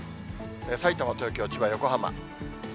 さいたま、東京、千葉、横浜。